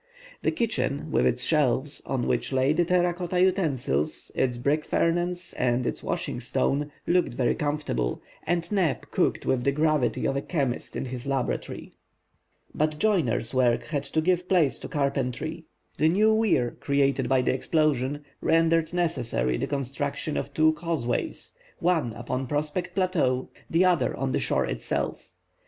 The kitchen, with its shelves, on which lay the terra cotta utensils, its brick furnace, and its washing stone, looked very comfortable, and Neb cooked with the gravity of a chemist in his laboratory. But joiners work had to give place to carpentry. The new weir created by the explosion rendered necessary the construction of two causeways, one upon Prospect Plateau, the other on the shore itself.